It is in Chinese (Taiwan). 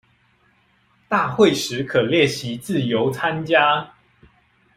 大會時可列席自由參加